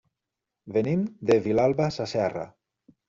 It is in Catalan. Venim de Vilalba Sasserra.